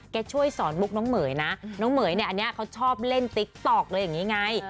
ช่วยสอนมุกน้องเหม๋ยนะน้องเหม๋ยเนี่ยอันนี้เขาชอบเล่นติ๊กต๊อกเลยอย่างนี้ไง